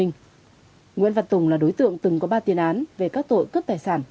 nguyễn văn tùng là đối tượng từng có ba tiền án về các tội cướp tài sản